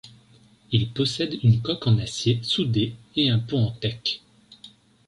Il possède une coque en acier soudé et un pont en teck.